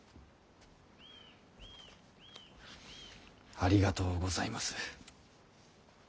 ありがとうございます。